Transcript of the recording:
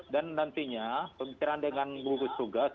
dan nantinya pembicaraan dengan bukit tugas